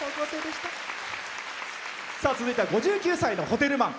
続いては５９歳のホテルマン。